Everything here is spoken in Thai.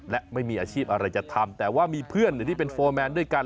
และไม่มีอาชีพอะไรจะทำแต่ว่ามีเพื่อนหรือที่เป็นโฟร์แมนด้วยกัน